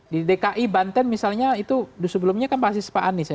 di dki banten misalnya itu sebelumnya kan basis pak anies ya